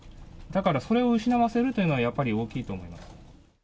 だから、それを失わせるというのは、やっぱり大きいと思います。